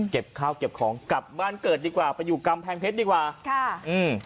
เก็บข้าวเก็บของกลับบ้านเกิดดีกว่าไปอยู่กำแพงเพชรดีกว่าค่ะอืม